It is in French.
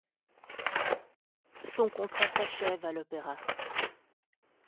Son contrat s'achève à l'Opéra.